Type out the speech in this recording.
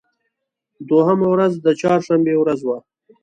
دوهمه ورځ د چهار شنبې ورځ وه.